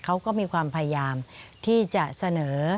เขาก็มีความพยายามที่จะเสนอ